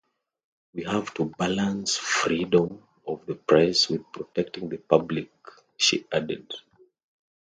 "We have to balance freedom of the press with protecting the public," she added.